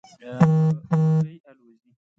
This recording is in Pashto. مرغی الوزي